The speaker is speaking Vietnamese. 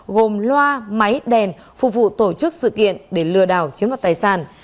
gồm loa máy đèn phục vụ tổ chức sự kiện để lừa đảo chiếm đoạt tài sản